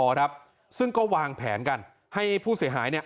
ครับซึ่งก็วางแผนกันให้ผู้เสียหายเนี่ย